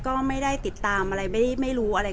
แต่ว่าสามีด้วยคือเราอยู่บ้านเดิมแต่ว่าสามีด้วยคือเราอยู่บ้านเดิม